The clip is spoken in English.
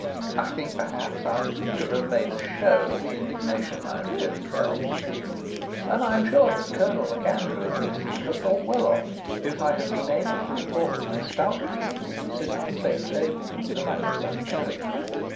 I think perhaps I should have made a show of the indignation I really felt, and I am sure that Colonel MacAndrew at least would have thought well of me if I had been able to report my stout refusal to sit at the same table with a man of such character.